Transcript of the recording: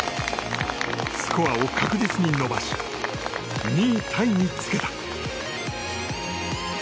スコアを確実に伸ばし２位タイにつけた。